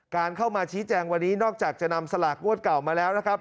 การเข้ามาชี้แจงวันนี้นอกจากจะนำสลากงวดเก่ามาแล้วนะครับ